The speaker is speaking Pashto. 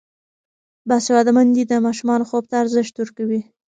باسواده میندې د ماشومانو خوب ته ارزښت ورکوي.